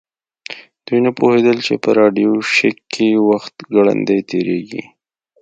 دوی نه پوهیدل چې په راډیو شیک کې وخت ګړندی تیریږي